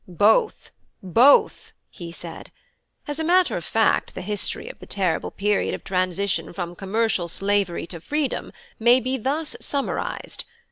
"Both, both," he said. "As a matter of fact, the history of the terrible period of transition from commercial slavery to freedom may thus be summarised.